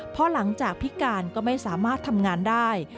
เพราะหลังจากพิการก็ไม่สามารถทำงานได้